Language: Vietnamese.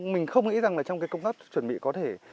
mình không nghĩ rằng trong cái công tất chuẩn bị có thể